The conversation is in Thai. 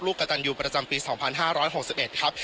กระตันยูประจำปี๒๕๖๑ครับ